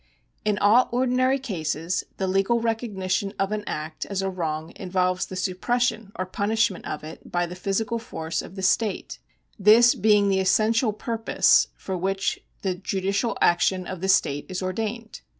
In all ordinary cases the legal recognition of an act as a wrong involves the suppression or punishment of it by the physical force of the state, this being the essential purpose for which the judicial action of the state is ordained.